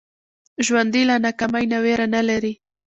ژوندي له ناکامۍ نه ویره نه لري